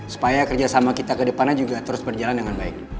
supaya kerjasama kita kedepannya juga terus berjalan dengan baik